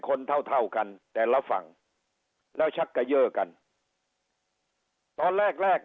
คนเท่าเท่ากันแต่ละฝั่งแล้วชักเกย่อกันตอนแรกแรก